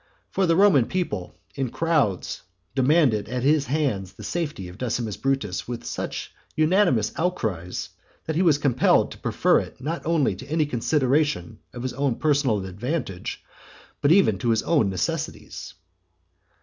For the Roman people in crowds demanded at his hands the safety of Decimus Brutus with such unanimous outcries, that he was compelled to prefer it not only to any consideration of his own personal advantage, but even to his own necessities.